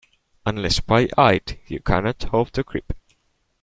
Unless pie-eyed, you cannot hope to grip.